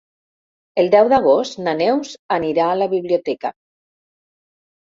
El deu d'agost na Neus anirà a la biblioteca.